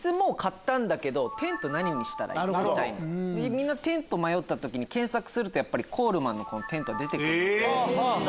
みんなテント迷った時に検索するとコールマンのテント出て来るんで。